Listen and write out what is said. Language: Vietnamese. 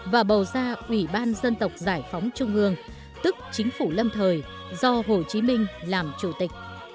và bầu ra ủy ban dân tộc giải phóng trung ương tức chính phủ lâm thời do hồ chí minh làm chủ tịch